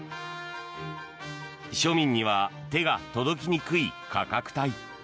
庶民には手が届きにくい価格帯。